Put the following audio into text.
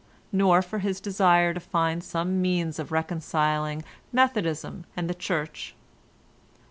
nor for his desire to find some means of reconciling Methodism and the Church.